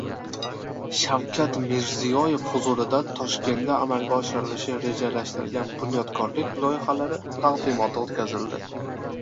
Shavkat Mirziyoyev huzurida Toshkentda amalga oshirilishi rejalashtirilgan bunyodkorlik loyihalari taqdimoti o‘tkazildi